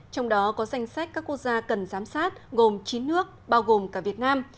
trong đó có danh sách các quốc gia cần giám sát gồm chín nước bao gồm cả việt nam